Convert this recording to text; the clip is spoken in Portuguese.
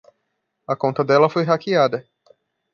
A conta dela foi hackeada.